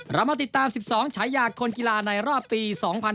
เรามาติดตาม๑๒ฉายาคนกีฬาในรอบปี๒๕๕๙